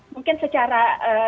mungkin secara terbanyak